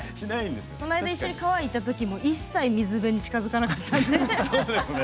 この間一緒に川に行った時に一切水辺に近づかなかったよね。